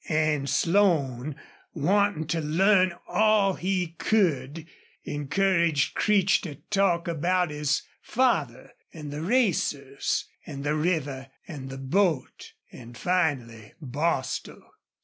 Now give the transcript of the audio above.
And Slone, wanting to learn all he could, encouraged Creech to talk about his father and the racers and the river and boat, and finally Bostil.